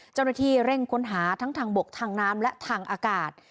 เจ้าหน้าที่เร่งค้นหาทั้งทางบกทางน้ำและทางอากาศ